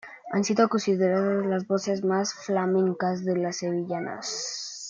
Han sido considerados las voces más flamencas de las sevillanas.